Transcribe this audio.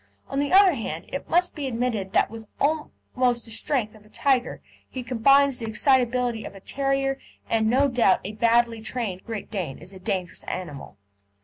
On the other hand, it must be admitted that with almost the strength of a tiger he combines the excitability of a terrier, and no doubt a badly trained Great Dane is a very dangerous animal.